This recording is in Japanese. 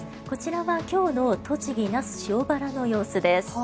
こちらは今日の栃木・那須塩原の様子です。